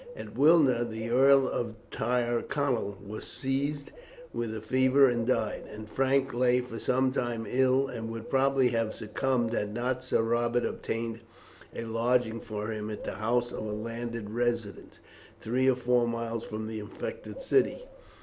At Wilna the Earl of Tyrconnel was seized with a fever and died, and Frank lay for some time ill, and would probably have succumbed had not Sir Robert obtained a lodging for him at the house of a landed resident, three or four miles from the infected city.